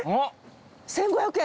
１，５００円。